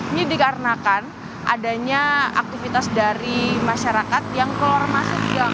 ini dikarenakan adanya aktivitas dari masyarakat yang keluar masuk yang